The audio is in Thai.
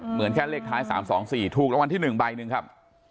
เหมือนแค่เลขท้าย๓๒๔ถูกรางวัลที่๑ใบหนึ่งครับ